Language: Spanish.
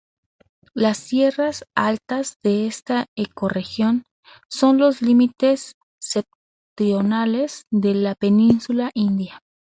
Las tierras altas de esta ecorregión son los límites septentrionales de la península india.